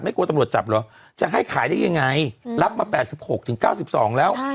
กลัวตำรวจจับเหรอจะให้ขายได้ยังไงรับมา๘๖ถึง๙๒แล้ว